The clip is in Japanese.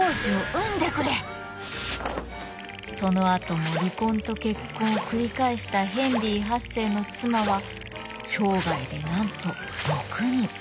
そのあとも離婚と結婚を繰り返したヘンリー８世の妻は生涯でなんと６人。